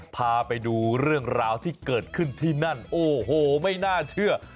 พาไปดูเรื่องราวที่เกิดขึ้นที่นั่นโอ้โหไม่น่าเชื่อ